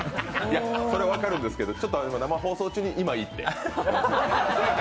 それは分かるんですけど生放送中に今はいいって。